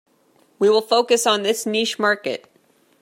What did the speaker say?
We will focus on this niche market.